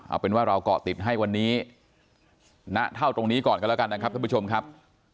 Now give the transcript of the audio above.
เอาเป็นว่าเราเกาะติดให้วันนี้ณเท่าตรงนี้ก่อนกันแล้วกันนะครับท่านผู้ชมครับ